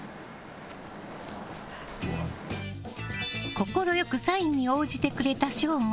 快くサインに応じてくれた省吾。